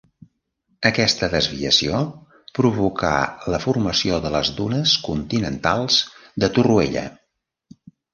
Aquesta desviació provocà la formació de les dunes continentals de Torroella.